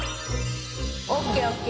ＯＫＯＫ。